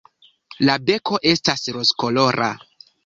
La beko estas rozkolora.